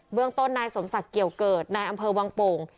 เรื่องต้นนายสมศักดิ์เกี่ยวเกิดนายอำเภอวังโป่ง